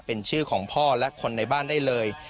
เป็นชื่อของพ่อและคนในบ้านได้เลย